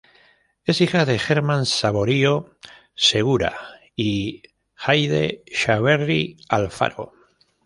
Es hija de German Saborío Segura y Haydee Chaverri Alfaro.